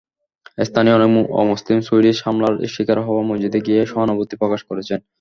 স্থানীয় অনেক অমুসলিম সুইডিশ হামলার শিকার হওয়া মসজিদে গিয়ে সহানুভূতি প্রকাশ করেছেন।